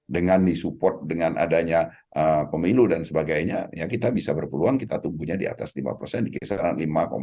dengan disupport dengan adanya pemilu dan sebagainya ya kita bisa berpeluang kita tumbuhnya di atas lima persen di kisaran lima